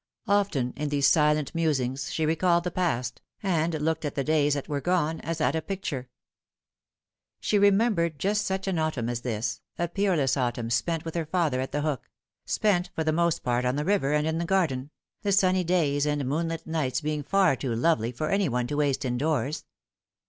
Often in these silent musings she recalled the past, and looked at the days that were gone as at a picture. She remembered just such an autumn as this, a peerless 62 The Fatal Three. autumn spent with her father at The Hook spent for the most part on the river and in the garden, the sunny days and moonlit nights being far too lovely for any one to waste indoors.